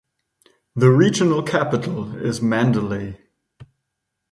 The regional capital is Mandalay.